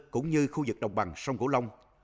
cũng như khu vực đồng bằng sông cổ long